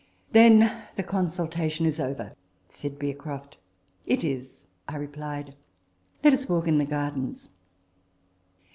" Then the consulta tion is over," said Bearcroft. " It is," I replied. " Let us walk in the gardens."